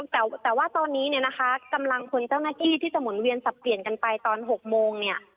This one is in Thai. แต่ว่าตอนนี้เนี่ยนะคะกำลังพลเจ้าหน้าที่ที่จะหมุนเวียนสับเปลี่ยนกันไปตอน๖โมงเนี่ย